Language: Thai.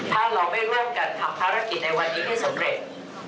ถ้าเราไม่ร่วมกันทำภารกิจในวันนี้ให้สำเร็จ